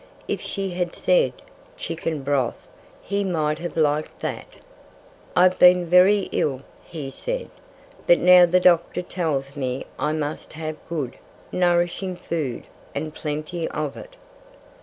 If she had said "chicken broth," he might have liked that. "I've been very ill," he said. "But now the doctor tells me I must have good, nourishing food and plenty of it."